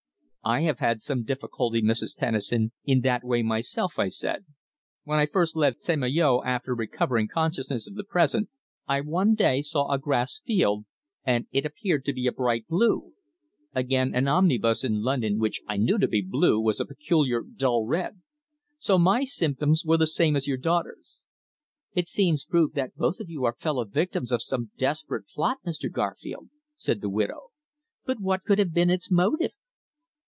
"I have had some difficulty, Mrs. Tennison, in that way myself," I said. "When I first left St. Malo, after recovering consciousness of the present, I one day saw a grass field and it appeared to be bright blue. Again, an omnibus in London which I knew to be blue was a peculiar dull red. So my symptoms were the same as your daughter's." "It seems proved that both of you are fellow victims of some desperate plot, Mr. Garfield," said the widow. "But what could have been its motive?"